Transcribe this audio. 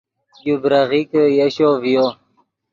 یو بریغیکے یشو ڤیو